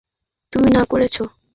তুমি না করেছো।